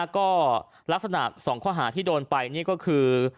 ก็ลักษณะ๒ข้อหาที่โดนไปนี่ก็คือ